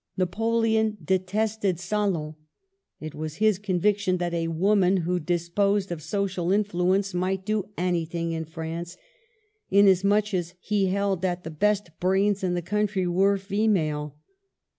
Napoleon detested salons. It was his convic tion that a woman who disposed of social influ ence might do anything in France, inasmuch as he held that the best brains in the country were female.